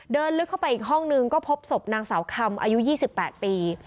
ลึกเข้าไปอีกห้องนึงก็พบศพนางสาวคำอายุ๒๘ปี